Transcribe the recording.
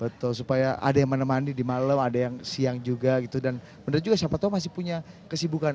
betul supaya ada yang menemani di malam ada yang siang juga gitu dan bener juga siapa tahu masih punya kesibukan